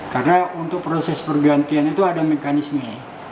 karena untuk proses pergantian itu ada mekanisme